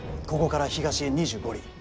ここから東へ２５里。